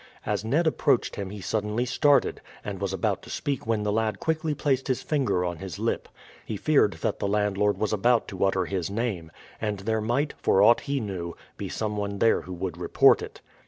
As Ned approached him he suddenly started, and was about to speak when the lad quickly placed his finger on his lip. He feared that the landlord was about to utter his name, and there might, for aught he knew, be someone there who would report it.